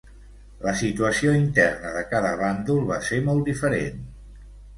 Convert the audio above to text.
La situació interna de cada bàndol va ser molt diferent.